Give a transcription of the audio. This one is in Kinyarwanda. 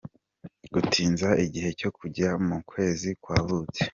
Gutinza igihe cyo kujya mu kwezi kwa buki.